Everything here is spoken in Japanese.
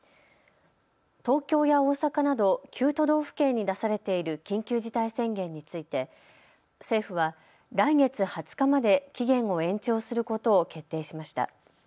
東京や大阪など９都道府県に出されている緊急事態宣言について政府は来月２０日まで期限を延長することを決定しました。